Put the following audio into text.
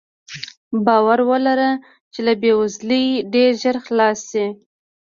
باور ولره چې له بې وزلۍ ډېر ژر خلاص شې.